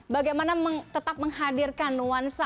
bagaimana tetap menghadirkan nuansa